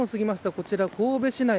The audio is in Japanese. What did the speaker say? こちら神戸市内。